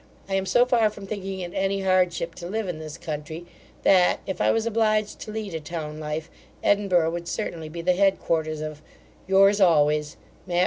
I am so far from thinking it any hardship to live in this country, that, if I was obliged to lead a town life, Edinburgh would certainly be the headquarters of Yours always, MATT.